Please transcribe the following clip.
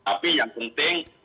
tapi yang penting